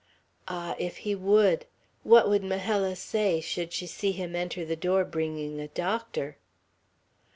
Ah! if he would! What would Majella say, should she see him enter the door bringing a doctor!